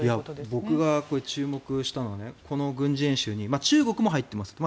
僕が注目したのはこの軍事演習に中国も入っていますと。